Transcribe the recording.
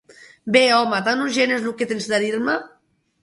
- Bé, home, tant urgent és lo que tens de dir-me?